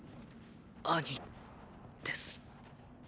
兄です。